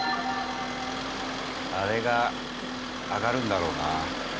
あれが上がるんだろうな。